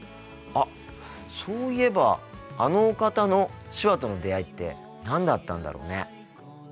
あっそういえばあのお方の手話との出会いって何だったんだろうね。